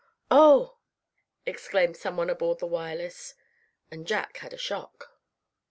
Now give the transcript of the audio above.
"Oh!" exclaimed some one aboard the Wireless; and Jack had a shock.